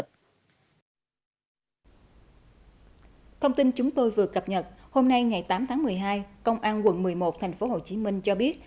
thông tin chúng tôi vừa cập nhật hôm nay ngày tám tháng một mươi hai công an quận một mươi một thành phố hồ chí minh cho biết